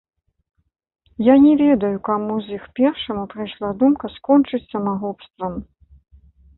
Я не ведаю, каму з іх першаму прыйшла думка скончыць самагубствам.